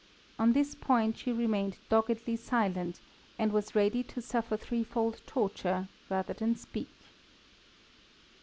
On this point she remained doggedly silent, and was ready to suffer threefold torture rather than speak.